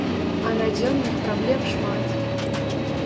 А надзённых праблем шмат.